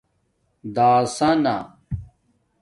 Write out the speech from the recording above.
دَاسانہ